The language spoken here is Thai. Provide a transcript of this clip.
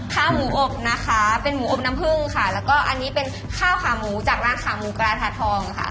ข้าวหมูอบนะคะเป็นหมูอบน้ำพึ่งค่ะแล้วก็อันนี้เป็นข้าวขาหมูจากร้านขาหมูกระทะทองค่ะ